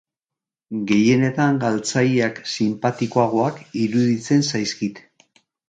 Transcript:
Gehienetan galtzaileak sinpatikoagoak iruditzen zaizkit.